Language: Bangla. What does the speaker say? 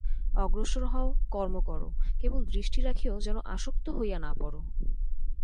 অগ্রসর হও, কর্ম কর, কেবল দৃষ্টি রাখিও যেন আসক্ত হইয়া না পড়।